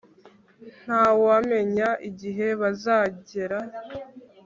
Ntawamenya igihe bazagera